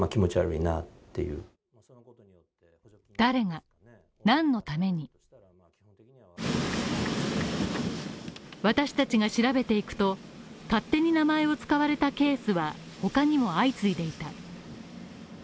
誰が何のために私達が調べていくと、勝手に名前を使われたケースは他にも相次いでいた。